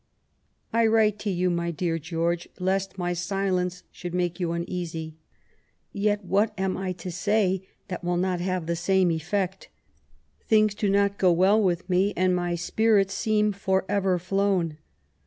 I write to you, my dear George, lest my silence should make yon imeasy ; yet what have I to say that wiU not have the same efiFeot ? Things do not go well with me, and my spirits seem for ever flown.